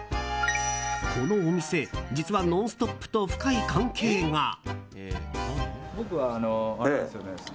このお店、実は「ノンストップ！」と深い関係が。